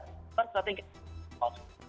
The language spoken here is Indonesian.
itu harus sesuatu yang kita kontrol